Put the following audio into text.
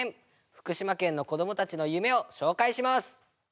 福島県の子供たちの夢を紹介します！